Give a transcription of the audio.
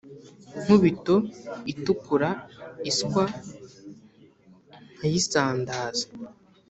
nkubito itikura iswa nkayisandaza,